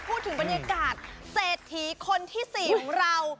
พูดถึงบรรยากาศเศรษฐีคนที่๔ของเรา